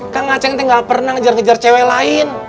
kak ngaceng tuh gak pernah ngejar ngejar cewek lain